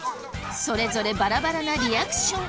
それぞれバラバラなリアクション。